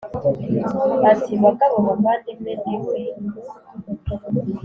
ati bagabo bavandimwe ndi we